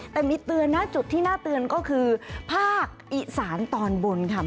แต่มีเตือนนะจุดที่น่าเตือนก็คือภาคอีสานตอนบนค่ะ